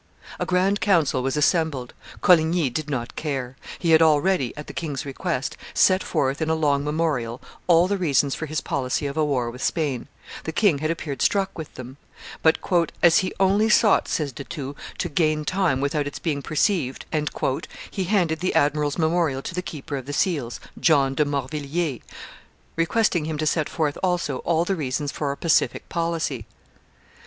A grand council was assembled. Coligny did not care. He had already, at the king's request, set forth in a long memorial all the reasons for his policy of a war with Spain; the king had appeared struck with them; but, "as he only sought," says De Thou, "to gain time without its being perceived," he handed the admiral's memorial to the keeper of the seals, John de Morvilliers, requesting him to set forth also all the reasons for a pacific policy.